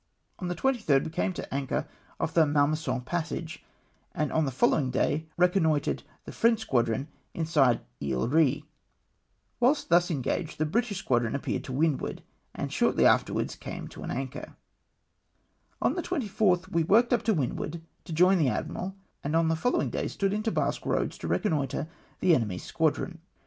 On the 23rd we came to an anchor off the Mal maison passage, and on the foUowing day reconnoitred the French squadron inside Isle Ehe. Whilst thus en SIGHT THE FEENCII SQUADRON. 195 gaged, the British squadron appeared to windward, and shortly afterwards came to an anchor. On the 24th we worked up to windward to join the admiral, and on the following day stood into Basque Eoads to reconnoitre the enemy's squadron.